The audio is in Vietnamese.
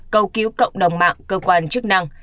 cầu cứu cộng đồng mạng cơ quan chức năng